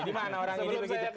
dimana orang ini begitu